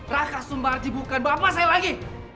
raka sumbarji bukan bapak saya lagi